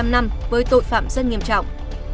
một mươi năm năm với tội phạm rất nghiêm trọng